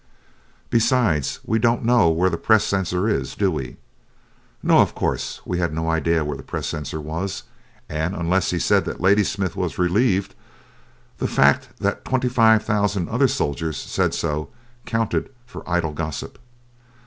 "Besides, we don't know where the press censor is, do we?" No, of course we had no idea where the press censor was, and unless he said that Ladysmith was relieved, the fact that twenty five thousand other soldiers said so counted for idle gossip.